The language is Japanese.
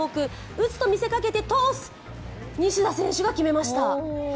打つと見せかけてトス西田選手が決めました。